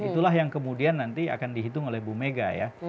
itulah yang kemudian nanti akan dihitung oleh bumika ya